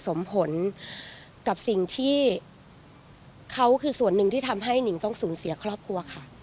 สมผลกับสิ่งที่เขาคือส่วนหนึ่งที่ทำให้หนิงต้องสูญเสียครอบครัวค่ะ